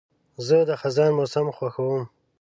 زه د خزان موسم خوښوم.